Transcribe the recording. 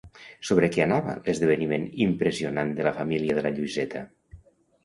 Sobre què anava l'esdeveniment impressionant de la família de la Lluïseta?